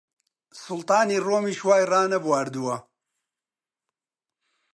سوڵتانی ڕۆمیش وای ڕانەبواردووە!